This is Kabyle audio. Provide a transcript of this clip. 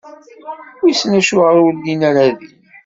Wissen Acuɣer ur llin ara din.